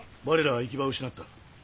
我らは行き場を失った。